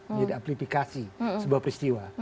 menjadi aplifikasi sebuah peristiwa